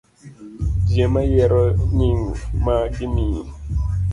Ji ema yiero nying' ma gimiyi.